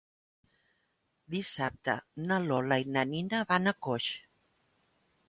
Dissabte na Lola i na Nina van a Coix.